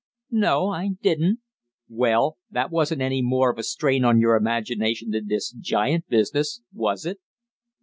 "No, I didn't." "Well, that wasn't any more of a strain on your imagination than this giant business; was it?"